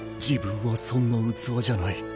自分はそんな器じゃない？